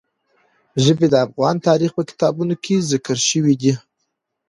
ژبې د افغان تاریخ په کتابونو کې ذکر شوي دي.